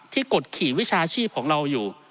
กดขี่วิชาชีพของเราอยู่